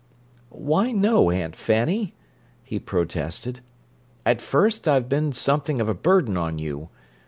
"Why no, Aunt Fanny!" he protested. "At first I'd have been something of a burden on you.